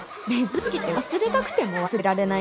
珍しすぎて忘れたくても忘れられない